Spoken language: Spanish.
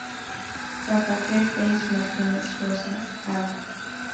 Santa Fe, Thames, Martínez Rosas, Av.